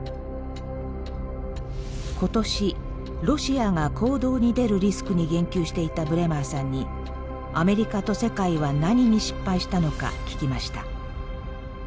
今年「ロシア」が行動に出るリスクに言及していたブレマーさんにアメリカと世界は何に失敗したのか聞きました。